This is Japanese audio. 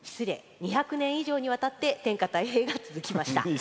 ２００年以上にわたって天下太平が続きました。